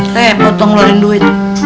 rebut dong ngeluarin duit